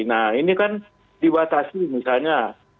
nah ini kan dibatasi misalnya